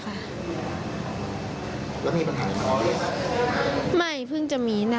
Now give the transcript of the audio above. กลุ่มวัยรุ่นฝั่งพระแดง